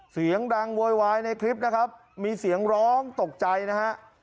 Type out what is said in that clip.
เสียงดังโวยวายในคลิปนะครับมีเสียงร้องตกใจนะฮะ